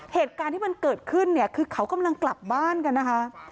เหตุการณ์ที่มันเกิดขึ้นเนี่ยคือเขากำลังกลับบ้านกันนะคะ